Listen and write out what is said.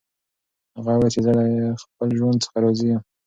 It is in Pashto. هغه وویل چې زه له خپل ژوند څخه راضي یم.